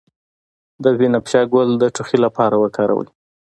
د بنفشه ګل د ټوخي لپاره وکاروئ